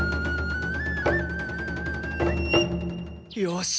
よし！